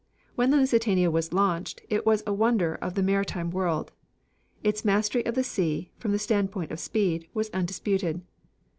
When the Lusitania was launched, it was the wonder of the maritime world. Its mastery of the sea, from the standpoint of speed, was undisputed.